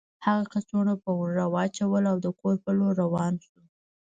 هغه کڅوړه په اوږه واچوله او د کور په لور روان شو